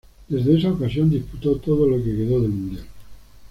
Desde esa ocasión, disputó todo lo que quedó del Mundial.